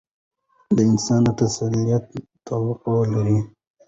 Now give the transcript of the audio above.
د انسان د تسلط توقع لري.